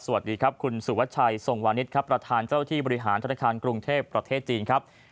สวัสดีครับคุณสุวัชชัยทรงวานิสครับประธานเจ้าที่บริหารธนาคารกรุงเทพประเทศจีนครับ